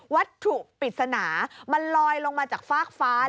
วัตถุปริศนามันลอยลงมาจากฟากฟ้า